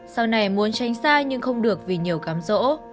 sau này muốn tranh xa nhưng không được vì nhiều cám dỗ